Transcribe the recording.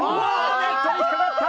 ネットに引っかかった。